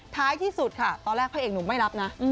ท้ายที่สุดค่ะตอนแรกพระเอกหนุ่มไม่รับนะ